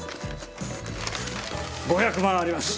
５００万あります。